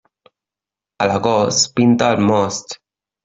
A l'agost, pinta el most.